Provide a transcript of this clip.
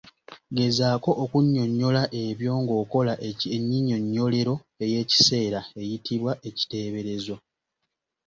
Gezaako okunnyonnyola ebyo ng’okola ennyinyonnyolero ey’ekiseera eyitibwa ekiteeberezo.